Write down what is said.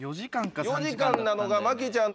４時間なのが麻貴ちゃん。